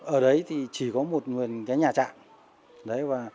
ở đấy thì chỉ có một nguồn nhà trạm